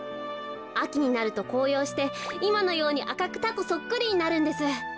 あきになるとこうようしていまのようにあかくタコそっくりになるんです。